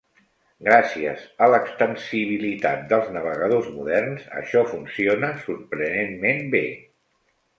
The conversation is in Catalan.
Gràcies a l'extensibilitat dels navegadors moderns, això funciona sorprenentment bé.